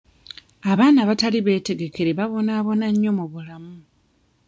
Abaana abatali beetegekere babonaabona nnyo mu bulamu.